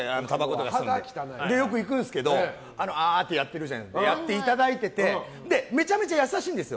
それでよく行くんですけどあーってやっていただいていてめちゃめちゃ優しいんですよ。